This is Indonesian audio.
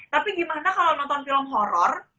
tapi gimana kalau nonton film horror